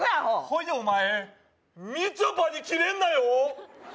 ほいでお前みちょぱにキレんなよ